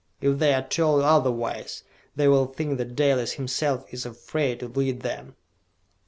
If they are told otherwise, they will think that Dalis himself is afraid to lead them!"